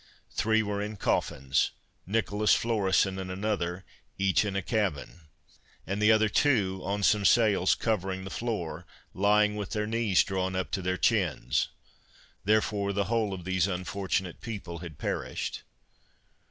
Three were in coffins; Nicholas Florison and another, each in a cabin; and the other two on some sails covering the floor, lying with their knees drawn up to their chins. Therefore the whole of these unfortunate people had perished.